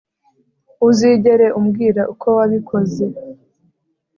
Uzigera umbwira uko wabikoze